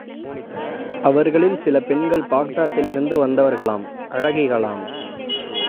அவர்களில் சில பெண்கள் பாக்தாதிலிருந்து வந்தவர்களாம், அழகிகளாம்.